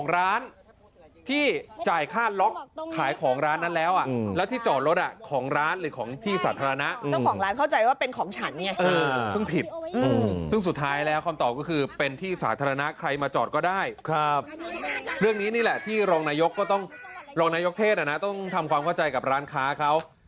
รองนายกเทศนะต้องทำความเข้าใจกับร้านค้าเขา